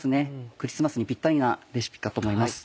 クリスマスにぴったりなレシピだと思います。